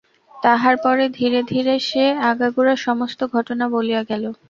তাহার পরে ধীরে ধীরে সে আগাগোড়া সমস্ত ঘটনা বলিয়া গেল।